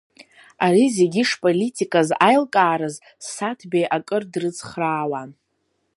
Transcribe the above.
Ари зегьы шполитиказ аилкаараз Саҭбеи акыр дрыцхраауан.